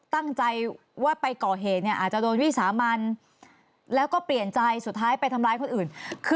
ตั้งใจว่าไปก่อเหตุเนี่ยอาจจะโดนวิสามันแล้วก็เปลี่ยนใจสุดท้ายไปทำร้ายคนอื่น